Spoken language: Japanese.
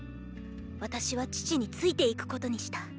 私は父について行くことにした。